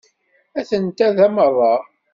Atent-a da merra.